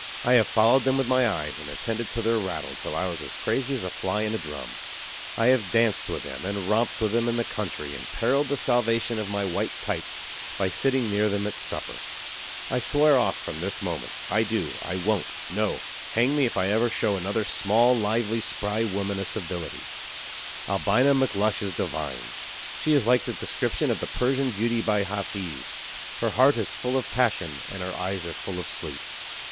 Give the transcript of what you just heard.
I have followed them with my eyes, and attended to their rattle till I was as crazy as a fly in a drum. I have danced with them, and romped with them in the country, and periled the salvation of my "white tights" by sitting near them at supper. I swear off from this moment. I do. I won't no hang me if ever I show another small, lively, spry woman a civility. Albina McLush is divine. She is like the description of the Persian beauty by Hafiz: "Her heart is full of passion and her eyes are full of sleep."